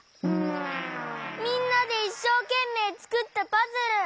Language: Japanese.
みんなでいっしょうけんめいつくったパズル！